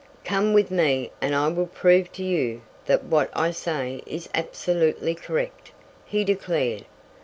"Come with me and I will prove to you that what I say is absolutely correct," he declared.